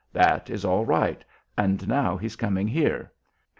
That is all right! and now he's coming here.